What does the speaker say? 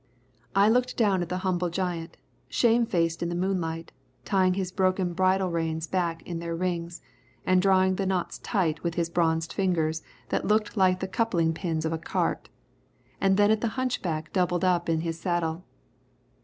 I looked down at the humble giant, shamefaced in the moonlight, tying his broken bridle reins back in their rings, and drawing the knots tight with his bronzed fingers that looked like the coupling pins of a cart, and then at the hunchback doubled up in his saddle.